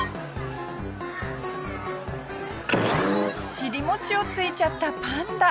尻もちをついちゃったパンダ。